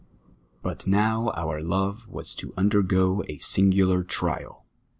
But now our love was to undergo a singular trial.